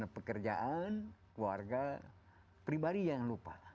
pekerjaan keluarga pribadi yang lupa